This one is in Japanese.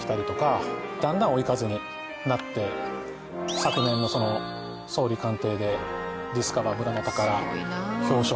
昨年も総理官邸でディスカバー農山漁村の宝表彰。